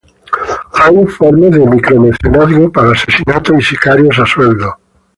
Hay informes de micromecenazgo para asesinatos y sicarios a sueldo.